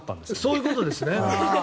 そういうことですね。